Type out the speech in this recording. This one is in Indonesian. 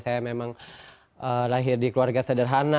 saya memang lahir di keluarga sederhana